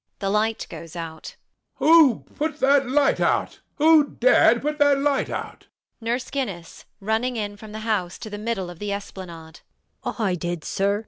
The light goes out. HECTOR [furiously]. Who put that light out? Who dared put that light out? NURSE GUINNESS [running in from the house to the middle of the esplanade]. I did, sir.